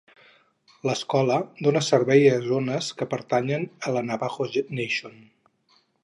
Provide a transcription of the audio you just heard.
L'escola dona servei a zones que pertanyen a la Navajo Nation.